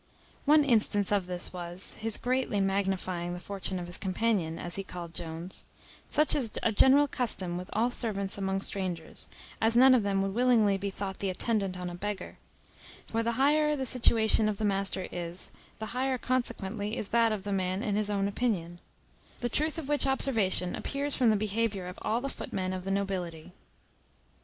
One instance of this was, his greatly magnifying the fortune of his companion, as he called Jones: such is a general custom with all servants among strangers, as none of them would willingly be thought the attendant on a beggar: for, the higher the situation of the master is, the higher consequently is that of the man in his own opinion; the truth of which observation appears from the behaviour of all the footmen of the nobility.